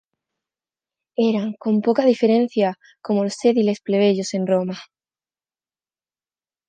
Eran con poca diferencia como los ediles plebeyos en Roma.